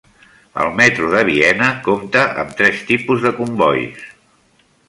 El metro de Viena compta amb tres tipus de combois.